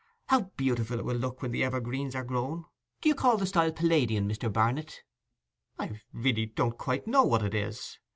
How beautiful it will look when the evergreens are grown! Do you call the style Palladian, Mr. Barnet?' 'I—really don't quite know what it is.